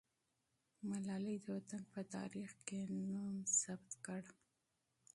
ملالۍ د وطن په تاریخ کې نوم ثبت کړ.